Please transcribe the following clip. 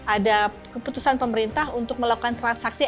ada keputusan pemerintah untuk melakukan transaksi